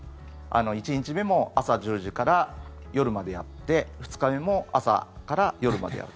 １日目も朝１０時から夜までやって２日目も朝から夜までやる。